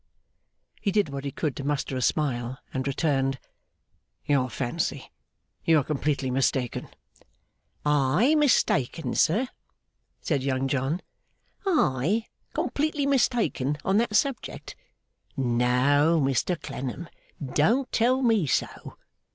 He did what he could to muster a smile, and returned, 'Your fancy. You are completely mistaken.' 'I mistaken, sir!' said Young John. 'I completely mistaken on that subject! No, Mr Clennam, don't tell me so.